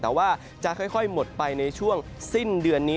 แต่ว่าจะค่อยหมดไปในช่วงสิ้นเดือนนี้